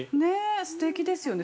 ◆すてきですよね。